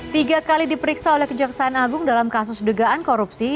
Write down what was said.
tiga kali diperiksa oleh kejaksaan agung dalam kasus dugaan korupsi